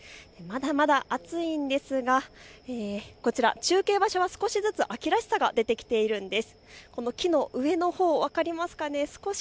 まだまだ暑いんですが中継場所は少しずつ秋らしさが出てきているんです。